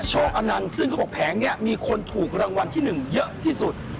โกนันต์ซึ่งเขาบอกแผงนี้มีคนถูกรางวัลที่๑เยอะที่สุด